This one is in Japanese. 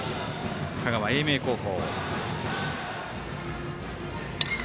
香川・英明高校。